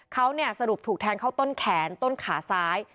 เขาสรุปถูกแทงเข้าต้นแขนต้นขาซ้าย